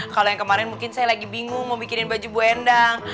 kalau yang kemarin mungkin saya lagi bingung mau bikinin baju bu endang